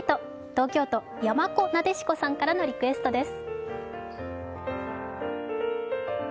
東京都、やまこなでしこさんからのリクエストです。